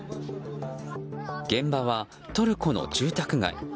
現場はトルコの住宅街。